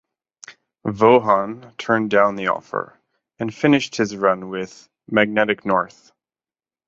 Vaughan turned down the offer, and finished his run with "Magnetic North".